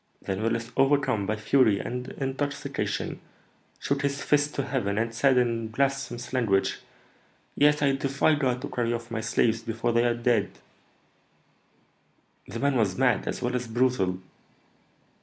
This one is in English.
Then Willis, overcome by fury and intoxication, shook his fist to heaven, and said, in blasphemous language, 'Yes, I defy God to carry off my slaves before they are dead!'" "The man was mad as well as brutal."